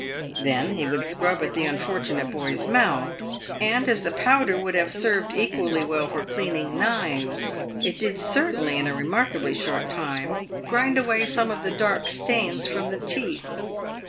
Then he would scrub at the unfortunate boy's mouth, and, as the powder would have served equally well for cleaning knives, it did certainly in a remarkably short time grind away some of the dark stains from the teeth.